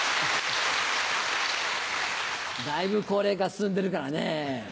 だいぶ高齢化進んでるからね。